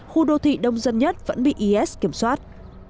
khu đô thị đông dân nhất vẫn bị is kiểm soát